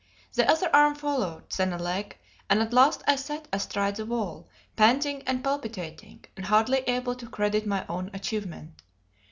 The other arm followed; then a leg; and at last I sat astride the wall, panting and palpitating, and hardly able to credit my own achievement.